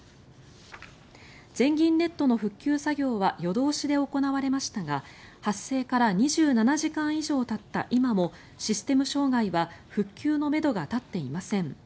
全銀ネットの復旧作業は夜通しで行われましたが発生から２７時間以上たった今もシステム障害は復旧のめどが立っていません。